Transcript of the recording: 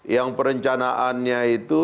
yang perencanaannya itu